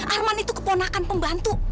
arman itu keponakan pembantu